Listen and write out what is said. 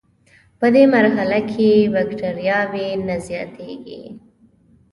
پدې مرحله کې بکټریاوې نه زیاتیږي.